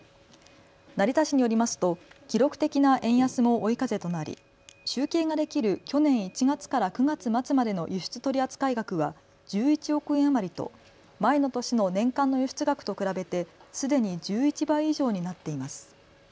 成田市によりますと記録的な円安も追い風となり集計ができる去年１月から９月末までの輸出取り扱い額は１１億円余りと前の年の年間の輸出額と比べてすでに１１倍以上になっています。